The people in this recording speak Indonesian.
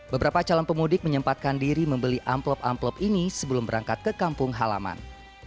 beberapa calon pemudik menyempatkan diri membeli amplop amplop ini sebelum berangkat ke kampung halaman